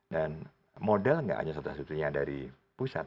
dan model nggak hanya satu satunya dari pusat